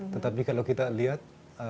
tetapi kalau kita lihat